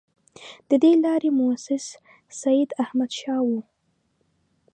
د دې لارې مؤسس سیداحمدشاه وو.